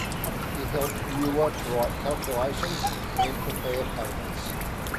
He helped Euler to write calculations and prepare papers.